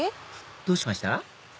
どうしました？